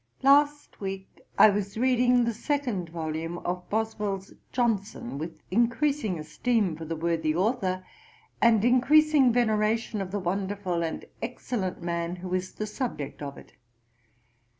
'Last week, I was reading the second volume of Boswell's Johnson, with increasing esteem for the worthy authour, and increasing veneration of the wonderful and excellent man who is the subject of it.